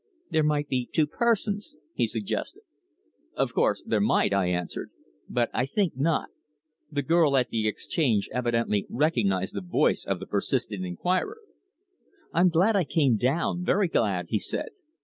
"There might be two persons," he suggested. "Of course there might," I answered. "But I think not. The girl at the exchange evidently recognised the voice of the persistent inquirer." "I'm glad I came down very glad," he said.